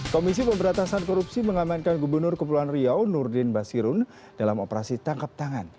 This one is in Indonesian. komisi pemberatasan korupsi mengamankan gubernur kepulauan riau nurdin basirun dalam operasi tangkap tangan